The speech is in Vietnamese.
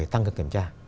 phải tăng cường kiểm tra